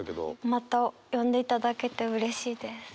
また呼んでいただけてうれしいです。